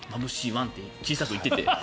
ワンって小さく言ってて。